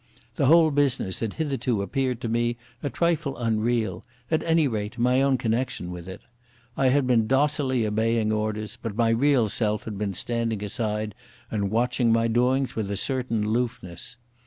The whole business had hitherto appeared to me a trifle unreal, at any rate my own connection with it. I had been docilely obeying orders, but my real self had been standing aside and watching my doings with a certain aloofness.